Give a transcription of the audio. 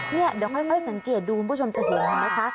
เดี๋ยวค่อยสังเกตดูคุณผู้ชมจะเห็นเห็นไหมคะ